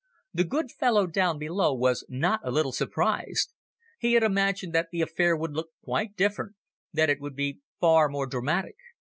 The good fellow down below was not a little surprised. He had imagined that the affair would look quite different, that it would be far more dramatic.